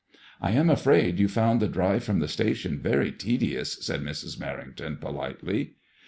*' I am afraid you found the drive from the station very tedious," said Mrs. Merrington, politely.